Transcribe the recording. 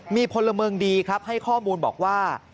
มีพลเมืองดีครับให้ข้อมูลบอกว่า